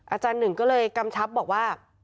อาจารย์หนึ่งก็เลยกำชับบอกว่า